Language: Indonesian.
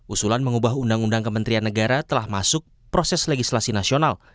usulan mengubah undang undang kementerian negara telah masuk proses legislasi nasional